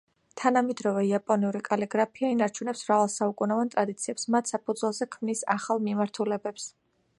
თანამედროვე იაპონური კალიგრაფია ინარჩუნებს მრავალსაუკუნოვან ტრადიციებს, მათ საფუძველზე ქმნის ახალ მიმართულებებს.